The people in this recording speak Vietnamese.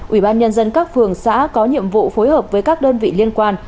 ubnd các phường xã có nhiệm vụ phối hợp với các đơn vị liên quan